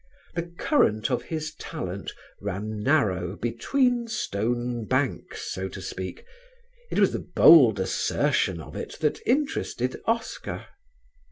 The current of his talent ran narrow between stone banks, so to speak; it was the bold assertion of it that interested Oscar.